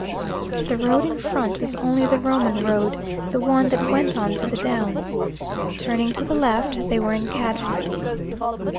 The road in front was only the Roman road, the one that went on to the downs. Turning to the left, they were in Cadford.